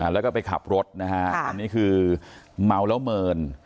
แล้วก็ไปขับรถนะฮะอันนี้คือเมาแล้วเมิน